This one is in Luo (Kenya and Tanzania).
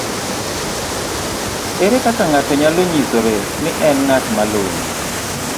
Ere kaka ng'ato nyalo nyisore ni en ng'at malong'o?